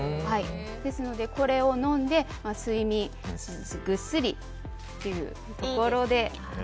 ですので、これを飲んで睡眠、ぐっすりというところで。